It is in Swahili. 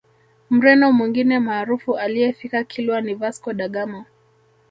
Mreno mwingine maarufu aliyefika Kilwa ni Vasco da Gama